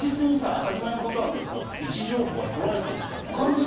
確実に当たり前のことなんだけど、位置情報は取られているんだよね。